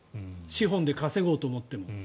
資本で稼ごうと思っても。